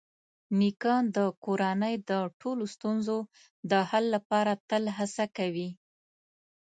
نیکه د کورنۍ د ټولو ستونزو د حل لپاره تل هڅه کوي.